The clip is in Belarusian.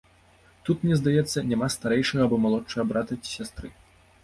Тут, мне здаецца, няма старэйшага або малодшага брата ці сястры.